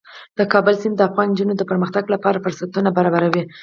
د کابل سیند د افغان نجونو د پرمختګ لپاره فرصتونه برابروي.